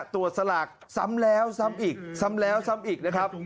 สลากซ้ำแล้วซ้ำอีกซ้ำแล้วซ้ำอีกนะครับ